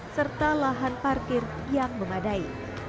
serta lahan parkir yang memadai